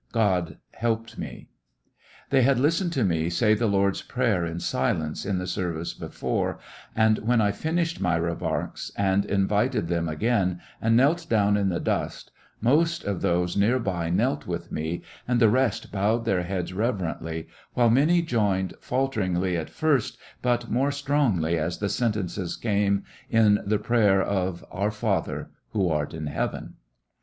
God helped me. They had listened to me say the Lord's Prayer in silence in the service before, and when I finished my remarks, and invited them again and knelt down in the dust, most of those near by knelt with me, and the rest bowed their heads reverently, while many joined, falteringly at first, but more strongly as the sentences came, in the prayer of "Our Father who art in heaven."